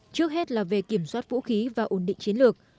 trước hết là về kiểm soát vũ khí và ổn định chiến lược